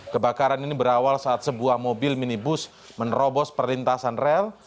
kebakaran ini berawal saat sebuah mobil minibus menerobos perlintasan rel